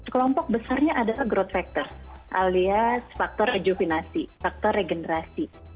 kelompok besarnya adalah growth factors alias faktor rejuvinasi faktor regenerasi